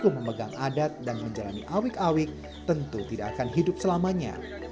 memegang adat dan menjalani awik awik tentu tidak akan hidup selamanya